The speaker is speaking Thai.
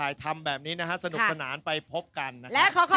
น้ำฝนดูเจ็ค